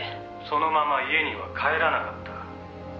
「そのまま家には帰らなかった」